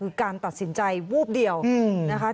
คือการตัดสินใจวูบเดียวนะคะ